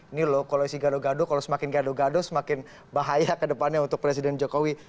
ini loh kalau isi gado gado kalau semakin gado gado semakin bahaya ke depannya untuk presiden jokowi